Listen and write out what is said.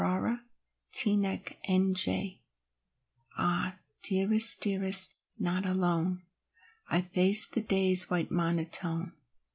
XIII The Ribbon Ah, dearest, dearest, not alone I face the day's white monotone.